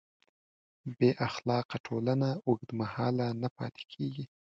بېاخلاقه ټولنه اوږدمهاله نه پاتې کېږي.